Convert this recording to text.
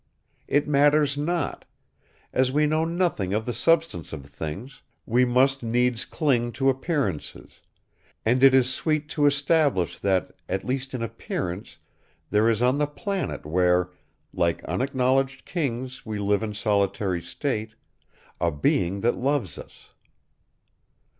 It matters not: as we know nothing of the substance of things, we must needs cling to appearances; and it is sweet to establish that, at least in appearance, there is on the planet where, like unacknowledged kings, we live in solitary state, a being that loves us.